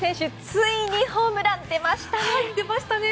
ついにホームラン出ましたね！